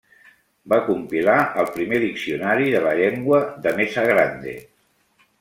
Va compilar el primer diccionari de la llengua de Mesa Grande.